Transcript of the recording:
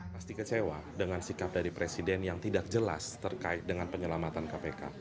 pasti kecewa dengan sikap dari presiden yang tidak jelas terkait dengan penyelamatan kpk